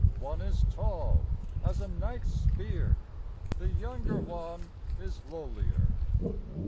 One is tall as a knight's spear, The younger one is lowlier.